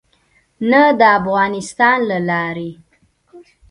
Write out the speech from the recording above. نه د افغانستان له لارې.